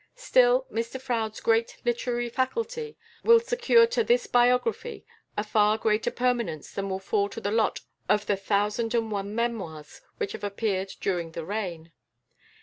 Still, Mr Froude's great literary faculty will secure to this biography a far greater permanence than will fall to the lot of the thousand and one memoirs which have appeared during the reign.